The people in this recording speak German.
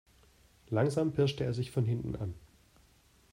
Langsam pirschte er sich von hinten an.